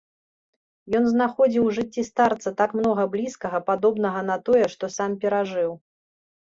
Ён знаходзіў у жыцці старца так многа блізкага, падобнага на тое, што сам перажыў.